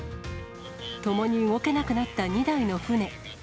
共に動けなくなった２台の船。